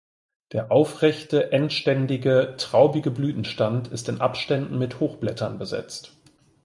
Der aufrechte, endständige, traubige Blütenstand ist in Abständen mit Hochblättern besetzt.